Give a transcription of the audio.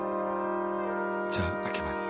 じゃあ開けます